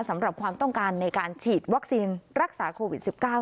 สำหรับความต้องการในการฉีดวัคซีนรักษาโควิด๑๙